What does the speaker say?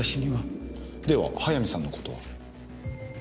では早見さんの事は？